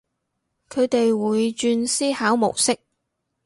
佢哋會轉思考模式